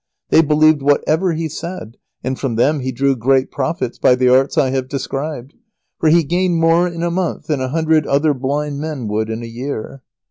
They believed whatever he said, and from them he drew great profits by the arts I have described, for he gained more in a month than a hundred other blind men would in a year.